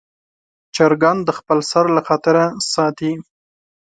چرګان خپل سر له خطره ساتي.